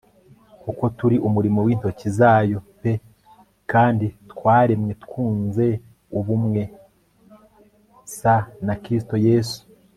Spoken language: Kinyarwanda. kuko turi umurimo w intoki zayo p kandi twaremwer twunze ubumwe s na Kristo Yesu